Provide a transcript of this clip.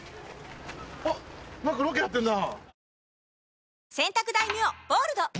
あっ何かロケやってんな。